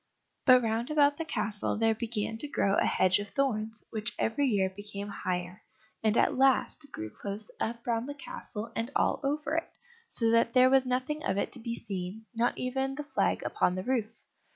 But round about the castle there began to grow a hedge of thorns, which every year became higher, and at last grew close up round the castle and all over it, so that there was nothing of it to be seen, not even the flag upon the roof.